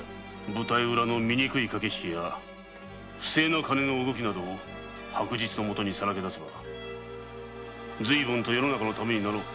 舞台裏の醜い駆け引きや不正な金の動きなどを白日の下にさらけ出せば随分と世の中のためになろう。